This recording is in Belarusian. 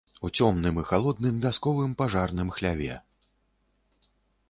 У цёмным і халодным вясковым пажарным хляве.